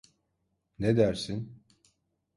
Ne dersin?